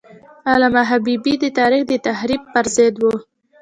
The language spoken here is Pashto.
علامه حبیبي د تاریخ د تحریف پر ضد و.